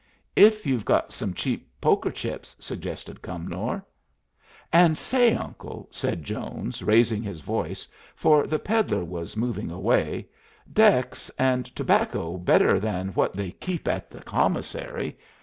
"If you've got some cheap poker chips," suggested Cumnor. "And say, uncle," said Jones, raising his voice, for the peddler was moving away, "decks, and tobacco better than what they keep at the commissary.